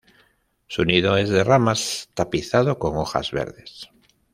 Su nido es de ramas, tapizado con hojas verdes.